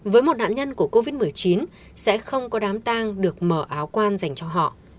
với một nạn nhân của covid một mươi chín sẽ không có đám tang được mở áo quan dành cho họ